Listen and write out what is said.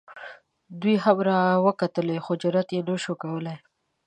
دوی هم را وکتلې خو جرات یې نه شو کولی.